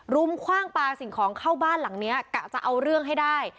รุมคว่างปลาสิ่งของเข้าบ้านหลังนี้กะจะเอาเรื่องให้ได้